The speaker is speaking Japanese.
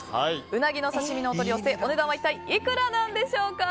うなぎの刺身のお取り寄せお値段は一体いくらでしょうか。